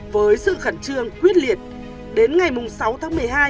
với sự khẩn trương quyết liệt đến ngày sáu tháng một mươi hai